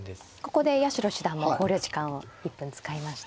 ここで八代七段も考慮時間を１分使いました。